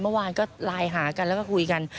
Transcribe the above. เมื่อวานก็ไลน์หากันแล้วก็คุยกัน